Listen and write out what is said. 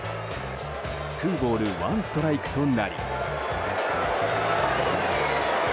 ツーボールワンストライクとなり。